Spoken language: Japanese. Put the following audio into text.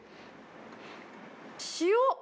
塩。